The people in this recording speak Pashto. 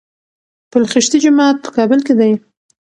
پل خشتي جومات په کابل کي دی